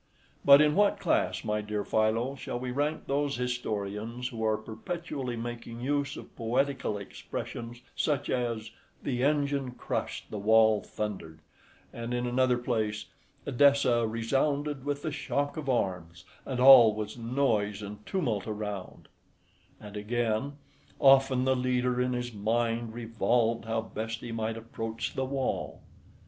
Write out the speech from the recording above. But in what class, my dear Philo, shall we rank those historians who are perpetually making use of poetical expressions, such as "the engine crushed, the wall thundered," and in another place, "Edessa resounded with the shock of arms, and all was noise and tumult around;" and again, "often the leader in his mind revolved how best he might approach the wall."